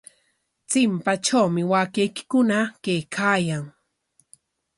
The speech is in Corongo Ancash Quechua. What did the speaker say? Chimpatrawmi waakaykikuna kaykaayan.